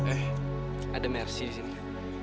eh ada mercy di sini